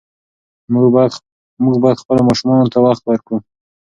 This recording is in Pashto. موږ باید خپلو ماشومانو ته وخت ورکړو.